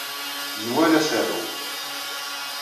Nwala asaru.